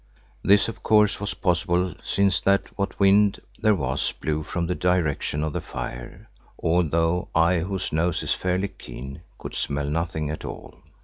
This of course was possible, since what wind there was blew from the direction of the fire, although I whose nose is fairly keen could smell nothing at all.